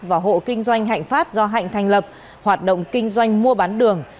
và hộ kinh doanh hạnh phát do hạnh thành lập hoạt động kinh doanh mua bán đường